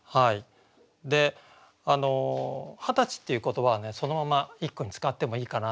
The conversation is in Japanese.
で「二十歳」っていう言葉はねそのまま一句に使ってもいいかなと思うんですよね。